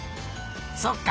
そっか。